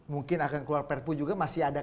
mungkin akan keluar perpu juga masih ada